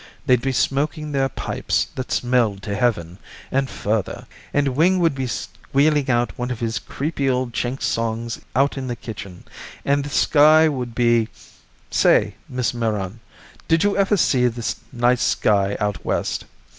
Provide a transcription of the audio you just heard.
They'd be smoking their pipes that smelled to Heaven, and further, and Wing would be squealing one of his creepy old Chink songs out in the kitchen, and the sky would be say, Miss Meron, did you ever see the night sky, out West?